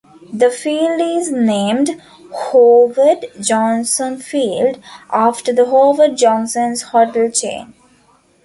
The field is named "Howard Johnson Field", after the Howard Johnson's hotel chain.